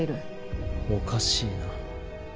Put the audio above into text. おかしいな。